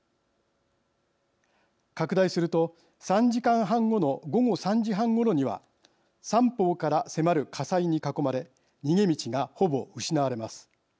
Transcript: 拡大すると、３時間半後の午後３時半ごろには三方から迫る火災に囲まれ逃げ道が、ほぼ失われます。